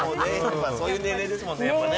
そういう年齢ですもんね、やっぱりね。